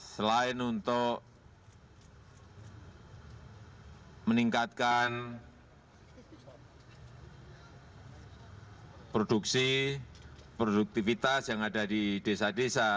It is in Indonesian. selain untuk meningkatkan produksi produktivitas yang ada di desa desa